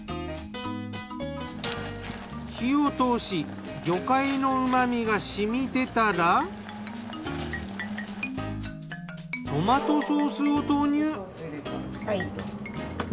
火を通し魚介の旨みが染み出たらトマトソースを投入。